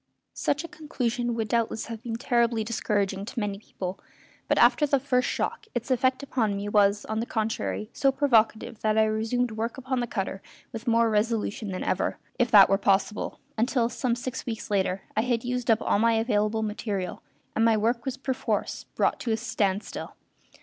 Such a conclusion would doubtless have been terribly discouraging to many people, but after the first shock its effect upon me was, on the contrary, so provocative that I resumed work upon the cutter with more resolution than ever, if that were possible, until, some six weeks later, I had used up all my available material, and my work was perforce brought to a standstill.